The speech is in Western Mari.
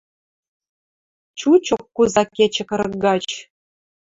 Чучок куза кечӹ кырык гач